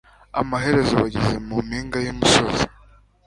Amaherezo, bageze mu mpinga y'umusozi.